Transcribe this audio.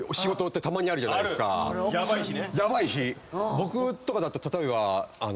僕とかだと例えば。